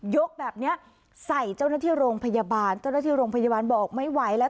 แบบเนี้ยใส่เจ้าหน้าที่โรงพยาบาลเจ้าหน้าที่โรงพยาบาลบอกไม่ไหวแล้ว